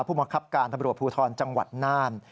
มังคับการตำรวจภูทรจังหวัดน่าน